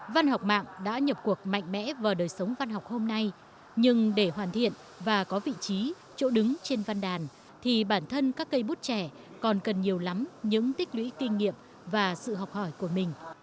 văn học mạng đã nhập cuộc mạnh mẽ vào đời sống văn học hôm nay nhưng để hoàn thiện và có vị trí chỗ đứng trên văn đàn thì bản thân các cây bút trẻ còn cần nhiều lắm những tích lũy kinh nghiệm và sự học hỏi của mình